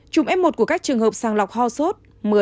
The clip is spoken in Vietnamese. chủng f một của các trường hợp sàng lọc ho sốt một mươi